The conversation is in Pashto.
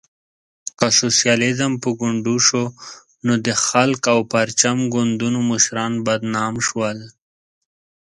که سوسیالیزم په ګونډو شو، نو د خلق او پرچم ګوندونو مشران بدنام شول.